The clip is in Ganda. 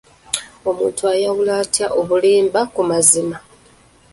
Omuntu ayawula atya obulimba ku mazima?